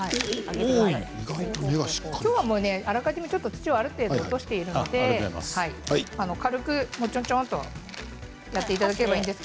きょうは、あらかじめ土はある程度落としているので軽くチョンチョンとやっていただければいいんですね。